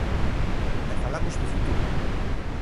E falamos de futuro.